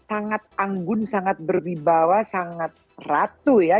sangat anggun sangat berwibawa sangat ratu ya